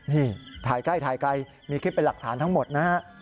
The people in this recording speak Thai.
นี่ถ่ายใกล้ถ่ายไกลมีคลิปเป็นหลักฐานทั้งหมดนะฮะ